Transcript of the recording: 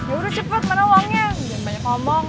yaudah cepet mana uangnya kemudian banyak ngomong